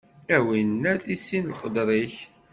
A winnat, issin leqder-ik!